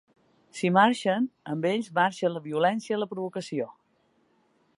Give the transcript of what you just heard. Si marxen, amb ells marxa la violència i la provocació.